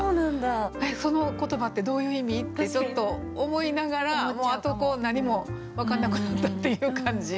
「その言葉ってどういう意味？」ってちょっと思いながらもうあと何も分かんなくなったっていう感じ。